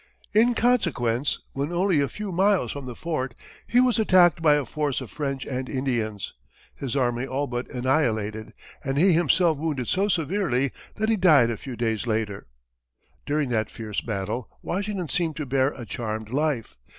In consequence, when only a few miles from the fort, he was attacked by a force of French and Indians, his army all but annihilated and he himself wounded so severely that he died a few days later. During that fierce battle, Washington seemed to bear a charmed life.